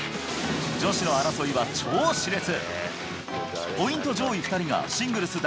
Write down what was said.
女子の争いは超しれつ。